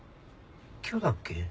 今日だっけ？